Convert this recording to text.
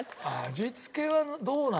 味付けはどうなの？